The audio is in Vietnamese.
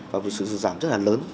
và một số số giảm rất là lớn